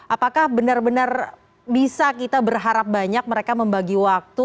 apakah benar benar bisa kita berharap banyak mereka membagi waktu